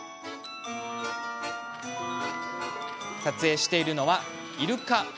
撮影しているのは、イルカ。